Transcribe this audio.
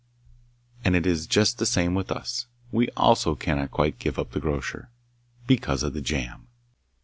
And it is just the same with us. We also cannot quite give up the grocer because of the jam.